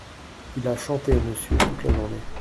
Il a chanté, monsieur, toute la journée.